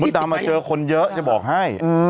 ตามมาเจอคนเยอะอย่าบอกให้